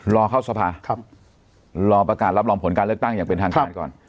รอเข้าสภาครับรอประกาศรับรองผลการเลือกตั้งอย่างเป็นทางการก่อน